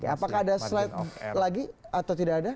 apakah ada slide lagi atau tidak ada